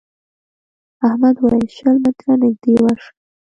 احمد وويل: شل متره نږدې ورشه.